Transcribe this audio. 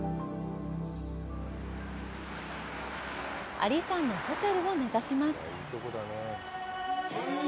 阿里山のホテルを目指します。